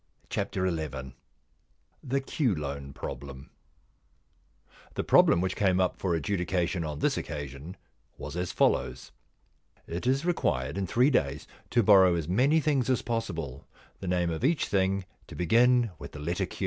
XI THE Q LOAN PROBLEM The problem which came up for adjudication on this occasion was as follows :—* It is required in three days to borrow as many things as possible, the name of each thing to begin with the letter Q.